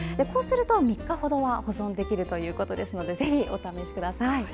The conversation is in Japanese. こうすると、３日ほどは保存できるということですのでぜひ、お試しください。